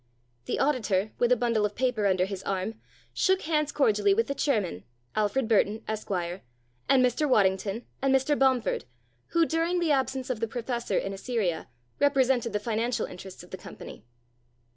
The auditor, with a bundle of papers under his arm, shook hands cordially with the chairman Alfred Burton, Esquire and Mr. Waddington, and Mr. Bomford, who, during the absence of the professor in Assyria, represented the financial interests of the company.